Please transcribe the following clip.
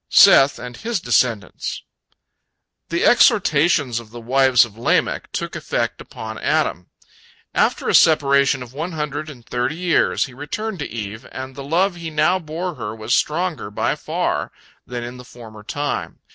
SETH AND HIS DESCENDANTS The exhortations of the wives of Lamech took effect upon Adam. After a separation of one hundred and thirty years, he returned to Eve, and the love he now bore her was stronger by far than in the former time.